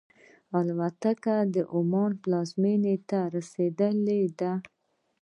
الوتکه د عمان پلازمینې ته ورسېده.